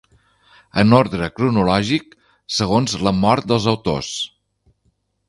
En ordre cronològic, segons la mort dels autors.